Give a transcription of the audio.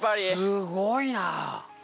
すごいな。